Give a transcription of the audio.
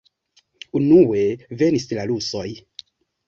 Unue venis la rusoj.